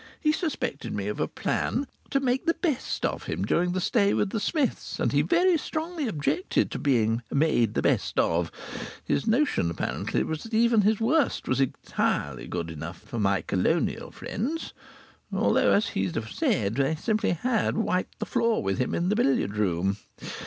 He suspected me of a plan "to make the best of him" during the stay with the Smiths, and he very strongly objected to being "made the best of." His notion apparently was that even his worst was easily good enough for my Colonial friends, although, as he'd have said, they had "simply wiped the floor with him" in the billiard room.